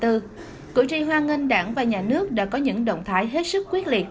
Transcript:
tuy nhiên cử tri hoan nghênh đảng và nhà nước đã có những động thái hết sức quyết liệt